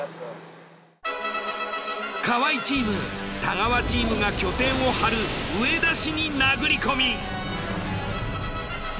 河合チーム太川チームが拠点を張る上田市に殴り込み。